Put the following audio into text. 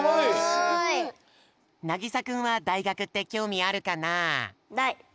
すごい！なぎさくんはだいがくってきょうみあるかな？